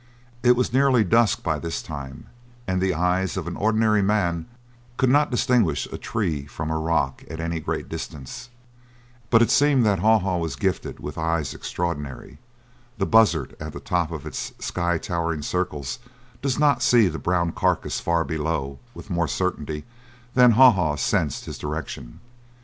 It was nearly dusk by this time and the eyes of an ordinary man could not distinguish a tree from a rock at any great distance; but it seemed that Haw Haw was gifted with eyes extraordinary the buzzard at the top of its sky towering circles does not see the brown carcass far below with more certainty than Haw Haw sensed his direction.